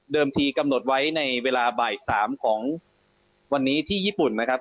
ทีกำหนดไว้ในเวลาบ่าย๓ของวันนี้ที่ญี่ปุ่นนะครับ